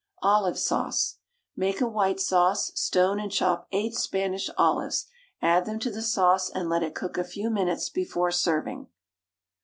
OLIVE SAUCE. Make a white sauce, stone and chop 8 Spanish olives, add them to the sauce, and let it cook a few minutes before serving.